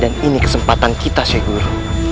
dan ini kesempatan kita segera